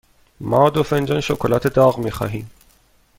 ما دو فنجان شکلات داغ می خواهیم.